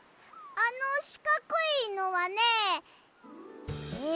あのしかくいのはねえっとね。